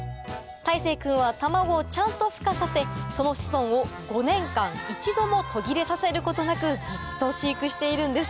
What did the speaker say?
泰成君は卵をちゃんと孵化させその子孫を５年間一度も途切れさせることなくずっと飼育しているんです